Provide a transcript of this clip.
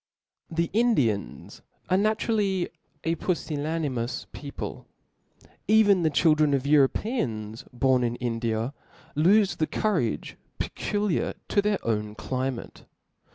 Tp H E Indians ♦ are naturally a pufillanimous ^ people ; even the children f* of Europeans born in India lofe the courage peculiar to their own climate.